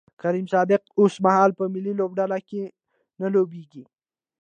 کریم صادق اوسمهال په ملي لوبډله کې نه لوبیږي